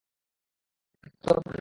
তার কাছে কোনও প্রমাণ নেই।